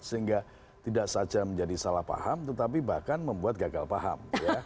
sehingga tidak saja menjadi salah paham tetapi bahkan membuat gagal paham